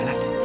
aku mau ren